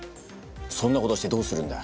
そんなことしてどうするんだ？